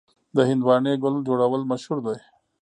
د هندواڼې ګل جوړول مشهور دي.